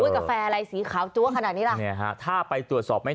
กาแฟอะไรสีขาวจั๊วขนาดนี้ล่ะเนี่ยฮะถ้าไปตรวจสอบไม่